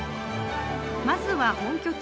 まずは本拠地